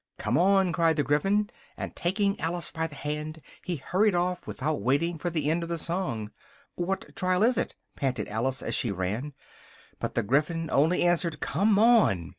"Come on!" cried the Gryphon, and, taking Alice by the hand, he hurried off, without waiting for the end of the song. "What trial is it?" panted Alice as she ran, but the Gryphon only answered "come on!"